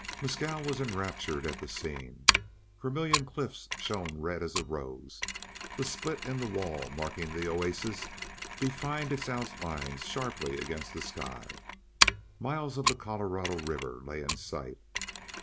Mescal was enraptured at the scene. Vermillion Cliffs shone red as a rose. The split in the wall marking the oasis defined its outlines sharply against the sky. Miles of the Colorado River lay in sight.